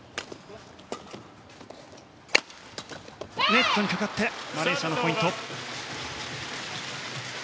ネットにかかってマレーシアのポイント。